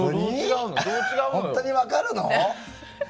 本当に分かるの？